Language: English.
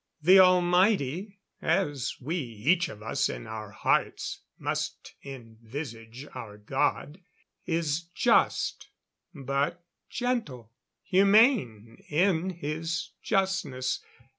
The Almighty as we each of us in our hearts must envisage our God is just, but gentle, humane in His justness.